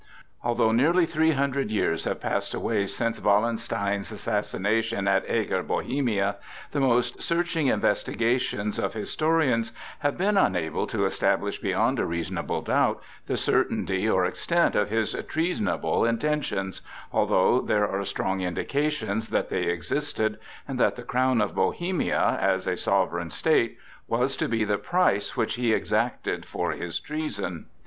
Although nearly three hundred years have passed away since Wallenstein's assassination at Eger, Bohemia, the most searching investigations of historians have been unable to establish beyond a reasonable doubt the certainty or extent of his treasonable intentions, although there are strong indications that they existed, and that the crown of Bohemia, as a sovereign state, was to be the price which he exacted for his treason.